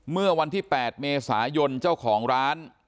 เมื่อวันที่๘เมษายนเจ้าของร้าน